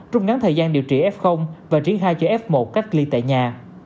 trút ngắn thời gian điều trị f và triển khai cho f một cách ly tại nhà